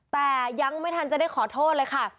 แต่ยังไม่ทันจะได้ขอโทษเลยค่ะ